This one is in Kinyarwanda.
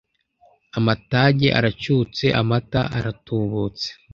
Amatage aracutse Amata aratubutse